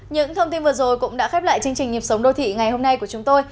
những thông tin vừa rồi cũng đã khép lại chương trình nhịp sống đô thị ngày hôm nay của chúng tôi